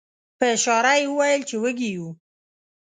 په اشاره یې وویل چې وږي یو.